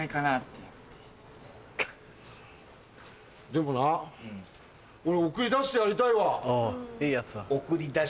でもな俺送り出してやりたいわ。いいヤツだ。